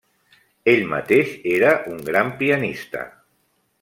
Ell mateix era un gran pianista.